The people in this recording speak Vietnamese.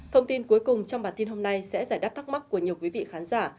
thông tin cuối cùng trong bản tin hôm nay sẽ giải đáp thắc mắc của nhiều quý vị khán giả